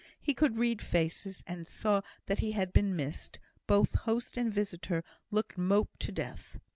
He could read faces, and saw that he had been missed; both host and visitor looked moped to death.